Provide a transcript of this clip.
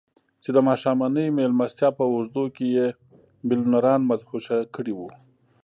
چې د ماښامنۍ مېلمستیا په اوږدو کې يې ميليونران مدهوشه کړي وو.